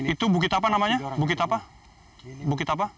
itu bukit apa namanya bukit apa